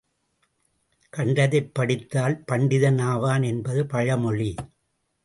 கண்டதைப் படித்தால் பண்டிதன் ஆவான் என்பது பழமொழி.